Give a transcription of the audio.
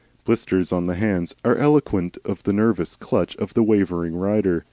Blisters on the hands are eloquent of the nervous clutch of the wavering rider.